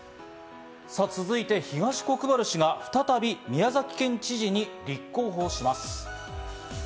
続いて東国原氏が再び宮崎県知事に立候補します。